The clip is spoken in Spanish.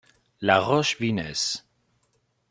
La Roche-Vineuse